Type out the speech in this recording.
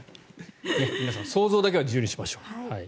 皆さん、想像だけは自由にしましょう。